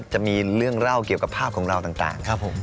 จะมีเรื่องเล่าเกี่ยวกับภาพเราต่าง